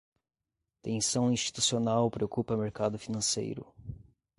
Tensão institucional preocupa mercado financeiro